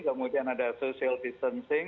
kemudian ada social distancing